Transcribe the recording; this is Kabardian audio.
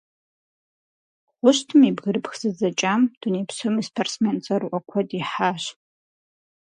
Хъущтым и «бгырыпх зэдзэкӏам» дуней псом и спортсмен цӏэрыӏуэ куэд ихьащ.